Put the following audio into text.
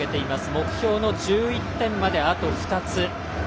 目標の１１点まであと２つ。